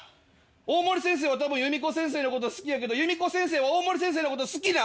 「大森先生はたぶんユミコ先生のこと好きやけどユミコ先生は大森先生のこと好きなん？」